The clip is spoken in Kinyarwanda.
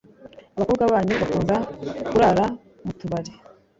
abakobwa banyu bakunda kurara mutubari